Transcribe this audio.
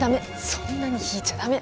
そんなに引いちゃ駄目！